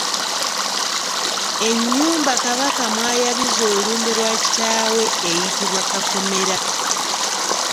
Ennyumba Kabaka mwayabiza olumbe lwa Kitaawe eyitibwa Kakomera.